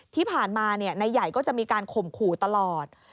ที่ผ่านมานายใหญ่ก็จะมีการข่มขู่ตลอด